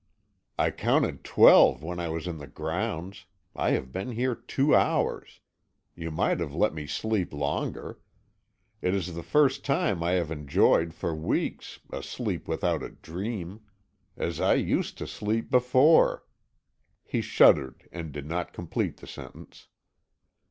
"I counted twelve when I was in the grounds; I have been here two hours. You might have let me sleep longer. It is the first I have enjoyed for weeks a sleep without a dream. As I used to sleep before " He shuddered, and did not complete the sentence.